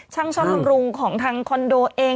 ช่างซ่อมบำรุงของทางคอนโดเอง